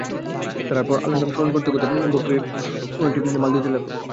তারপর আল্লাহর নাম স্মরণ করতে করতে বকরীর ওলানটি মলে দিতে লাগল।